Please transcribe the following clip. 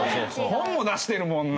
本も出してるもんな！